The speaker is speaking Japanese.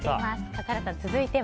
笠原さん、続いては。